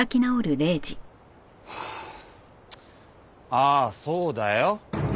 ああそうだよ。